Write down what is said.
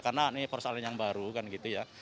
karena ini perusahaan yang baru kan gitu ya